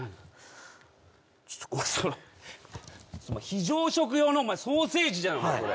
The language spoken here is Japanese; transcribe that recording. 非常食用のソーセージじゃんこれ。